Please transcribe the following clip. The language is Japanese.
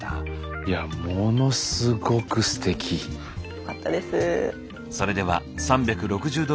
よかったです。